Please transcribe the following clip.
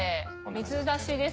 水出しです。